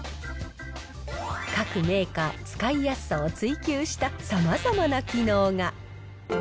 各メーカー、使いやすさを追求したさまざまな機能が。